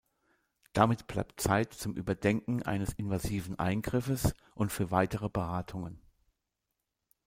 Damit bleibt Zeit zum Überdenken eines invasiven Eingriffes und für weitere Beratungen.